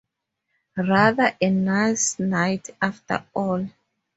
Rather a nice night, after all.